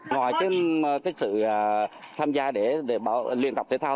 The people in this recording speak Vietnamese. ngoài sự tham gia để liên tập thể thao